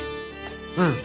「うん。